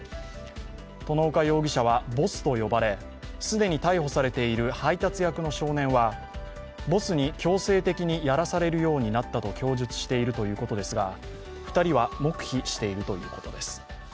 外岡容疑者はボスと呼ばれ既に逮捕されている配達役の少年は、ボスに強制的にやらされるようになったと供述していましたが２人は黙秘しているということです。